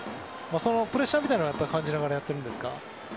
プレッシャーみたいなものは感じながらやってるんですか？